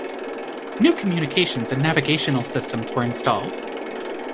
New communications and navigational systems were installed.